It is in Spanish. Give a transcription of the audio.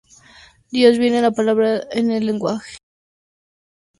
Dios viene a la palabra en el lenguaje.